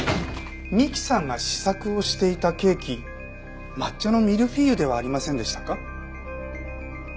美希さんが試作をしていたケーキ抹茶のミルフィーユではありませんでしたか？